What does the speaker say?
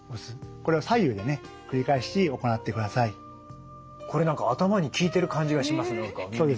これ何か頭に効いてる感じがします